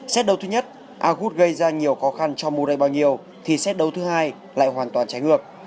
xe đấu thứ nhất agut gây ra nhiều khó khăn cho murray bao nhiêu thì xe đấu thứ hai lại hoàn toàn trái ngược